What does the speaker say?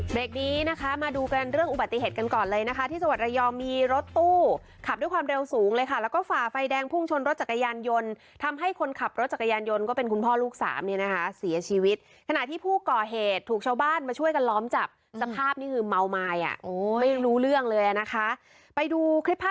เด็กนี้นะคะมาดูกันเรื่องอุบัติเหตุกันก่อนเลยนะคะที่จังหวัดระยองมีรถตู้ขับด้วยความเร็วสูงเลยค่ะแล้วก็ฝ่าไฟแดงพุ่งชนรถจักรยานยนต์ทำให้คนขับรถจักรยานยนต์ก็เป็นคุณพ่อลูกสามเนี่ยนะคะเสียชีวิตขณะที่ผู้ก่อเหตุถูกชาวบ้านมาช่วยกันล้อมจับสภาพนี่คือเมาไม้อ่ะไม่รู้เรื่องเลยอ่ะนะคะไปดูคลิป